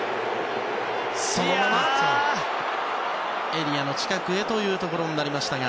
エリアの近くへというところになりましたが。